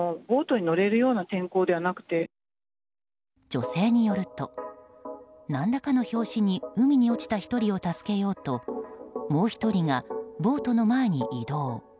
女性によると何らかの拍子に海に落ちた１人を助けようともう１人がボートの前に移動。